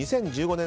２０１５年